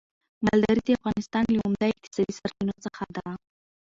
مالداري د افغانستان له عمده اقتصادي سرچينو څخه ده.